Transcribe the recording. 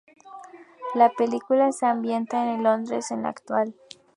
La película se ambienta en el Londres actual.